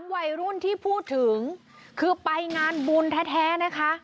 วัยรุ่นที่พูดถึงคือไปงานบุญแท้นะคะ